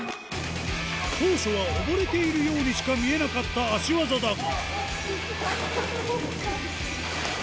当初は溺れているようにしか見えなかった足技だが。